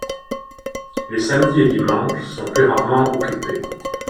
Les samedis et dimanches sont plus rarement occupés.